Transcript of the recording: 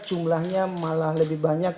jumlahnya malah lebih banyak